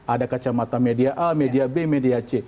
ada kacamata media a media b media c